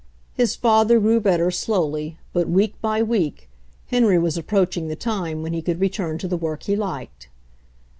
His father grew better slowly, but week by week Henry was approaching the time when he Could return to the work he liked.